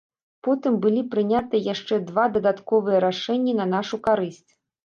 Потым былі прынятыя яшчэ два дадатковыя рашэнні на нашу карысць.